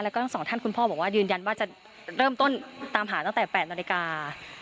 แล้วก็ทั้งสองท่านคุณพ่อบอกว่ายืนยันว่าจะเริ่มต้นตามหาตั้งแต่๘นาฬิกา